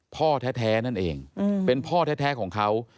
พ่อแท้นั่นเองเป็นพ่อแท้ของเขา